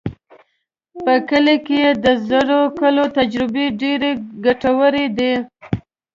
په کلي کې د زړو خلکو تجربه ډېره ګټوره ده.